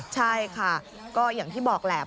ใช่ค่ะก็อย่างที่บอกแหละ